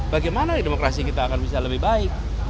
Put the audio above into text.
bagaimana demokrasi kita akan bisa lebih baik